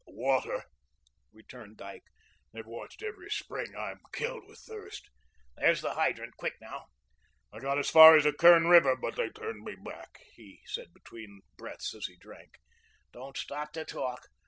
"Water," returned Dyke. "They've watched every spring. I'm killed with thirst." "There's the hydrant. Quick now." "I got as far as the Kern River, but they turned me back," he said between breaths as he drank. "Don't stop to talk."